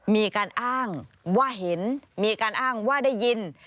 มีการอ้างว่าเห็นมีการอ้างว่าได้ยิน